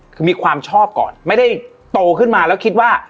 คือมีความชอบก่อนไม่ได้โตขึ้นมาแล้วคิดว่า